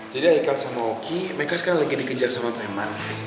jadi aikal sama oki mereka sekarang lagi dikejar sama preman